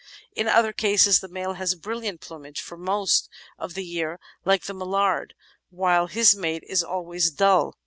In other cases the male has brilliant plumage for most of the year, like the Mallard, while his mate is always dull.